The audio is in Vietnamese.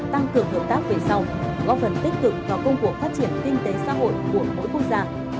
tăng cường hợp tác về sau góp phần tích cực vào công cuộc phát triển kinh tế xã hội của mỗi quốc gia